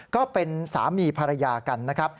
ก็เป็นสามีภรรยากันนะครับ